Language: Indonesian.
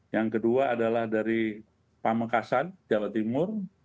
yang kedua adalah dari pamekasan jawa timur